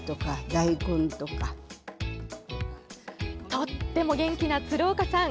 とっても元気な鶴岡さん